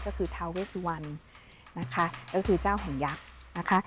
ก็คือทาเวสวันนะคะก็คือเจ้าแห่งยักษ์นะคะ